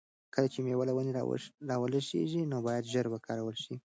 کله چې مېوه له ونې را وشلیږي نو باید ژر وکارول شي.